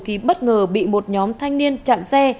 thì bất ngờ bị một nhóm thanh niên chặn xe